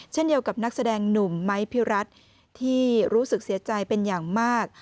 เช่นเดียวกับนักแสดงหนุ่มไม้พิรัตน์ที่รู้สึกเสียใจเป็นอย่างมาก